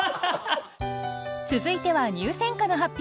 続いては入選歌の発表。